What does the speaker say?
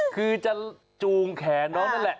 คือจะจูงแขนน้องนั่นแหละ